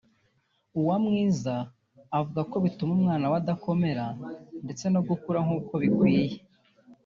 Uwamwiza avuga ko bituma umwana we adakomera ndetse ngo ntakura n’uko bikwiriye